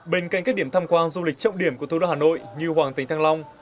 bên cạnh các điểm tham quan du lịch trọng điểm của thủ đô hà nội như hoàng tính thăng long